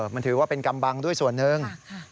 มันถือว่าเป็นกำบังด้วยส่วนหนึ่ง